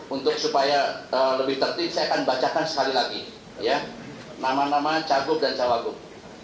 untuk supaya lebih tertik saya akan bacakan sekali lagi ya nama nama cagub dan cawagub